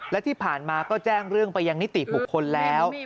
และที่ผ่านมาก็แจ้งเรื่องไปยังนิติบุคคลแล้ว